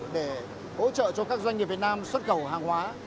để hỗ trợ cho các doanh nghiệp việt nam xuất khẩu hàng hóa